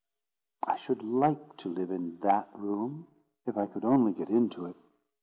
I should like to live in that room if I could only get into it."